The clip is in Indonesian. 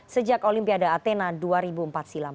sejak olimpiade athena dua ribu empat silam